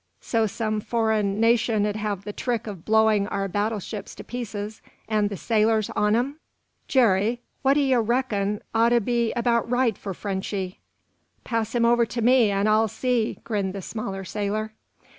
So some foreign nation'd have the trick of blowing our battleships to pieces, and the sailors on 'em? Jerry, wot d'ye reckon 'ud be about right for Frenchy!" "Pass him over to me and I'll see," grinned the smaller sailor.